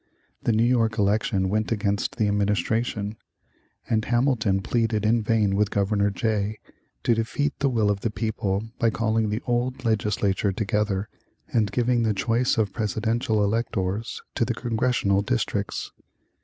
The New York election went against the administration, and Hamilton pleaded in vain with Governor Jay to defeat the will of the people by calling the old legislature together and giving the choice of presidential electors to the congressional districts.